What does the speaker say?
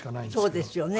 そうですよね